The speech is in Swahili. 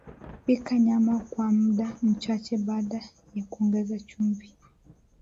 Pika nyama kwa mda mchache baada ya kuongeza chumvi